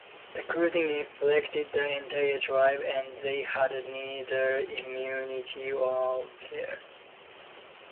The clothing infected the entire tribe, and they had neither immunity nor cure.